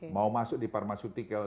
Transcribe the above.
mau masuk di pharmaceutical